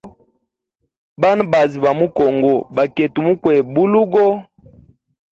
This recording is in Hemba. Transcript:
Bana baazi ba mu congo bakwete mukweba bulugo.